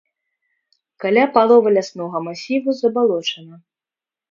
Каля паловы ляснога масіву забалочана.